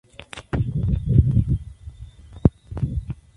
Proyecto de autoría del Prof.